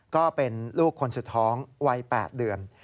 ก็เป็นลูกคนสุดท้องวัย๘เดือน